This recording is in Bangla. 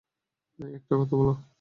একটা কথা বল।